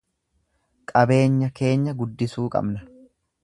Qabeenya keenya guddisuu qabna.